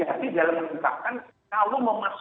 juga harus hati hati harus berdasarkan fakta yang benar